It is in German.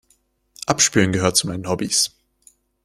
Abspülen gehört zu meinen Hobbies.